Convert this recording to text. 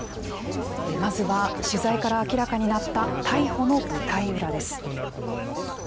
まずは、取材から明らかになった逮捕の舞台裏です。